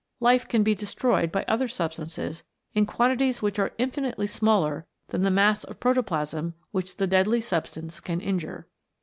Life can be destroyed by other substances in quantities which are infinitely smaller than the mass of protoplasm which the deadly substance can injure.